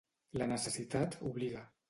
La necessitat obliga.